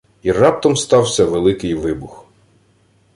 І раптом стався Великий Вибух